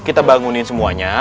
kita bangunin semuanya